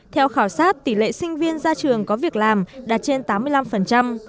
theo khảo sát tỷ lệ sinh viên ra trường có việc làm đạt trên tám mươi năm